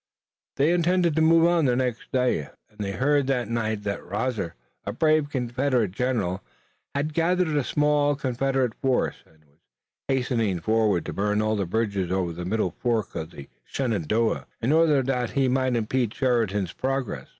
They intended to move on the next day, and they heard that night that Rosser, a brave Confederate general, had gathered a small Confederate force and was hastening forward to burn all the bridges over the middle fork of the Shenandoah, in order that he might impede Sheridan's progress.